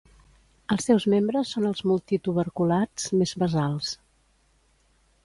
Els seus membres són els multituberculats més basals.